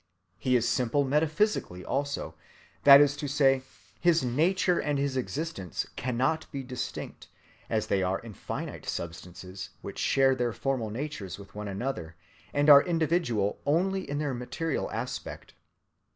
He is simple metaphysically also, that is to say, his nature and his existence cannot be distinct, as they are in finite substances which share their formal natures with one another, and are individual only in their material aspect.